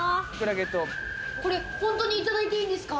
これ本当にいただいていいんですか？